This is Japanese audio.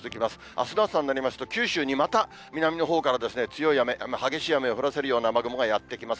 あすの朝になりますと、九州にまた南のほうから強い雨、激しい雨を降らせるような雨雲がやって来ます。